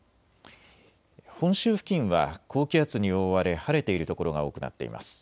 本州付近は高気圧に覆われ晴れている所が多くなっています。